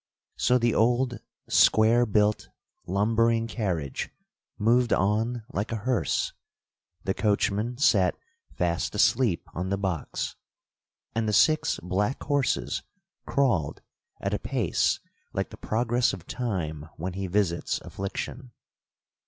So the old square built, lumbering carriage, moved on like a hearse; the coachman sat fast asleep on the box; and the six black horses crawled at a pace like the progress of time when he visits affliction.